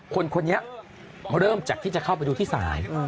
คนนี้เริ่มจากที่จะเข้าไปดูที่สาย